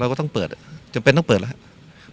ก็ต้องเปิดจำเป็นต้องเปิดแล้วครับ